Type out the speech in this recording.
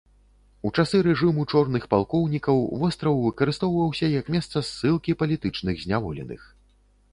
У часы рэжыму чорных палкоўнікаў востраў выкарыстоўваўся як месца ссылкі палітычных зняволеных.